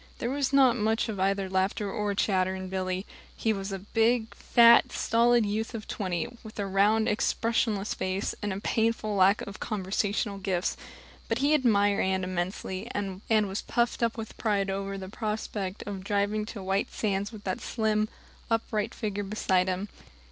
There was not much of either laughter or chatter in Billy. He was a big, fat, stolid youth of twenty, with a round, expressionless face, and a painful lack of conversational gifts. But he admired Anne immensely, and was puffed up with pride over the prospect of driving to White Sands with that slim, upright figure beside him.